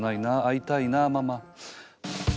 会いたいなママ。